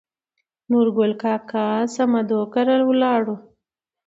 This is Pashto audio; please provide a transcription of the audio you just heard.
نورګل کاکا سمدو کره ولاړو.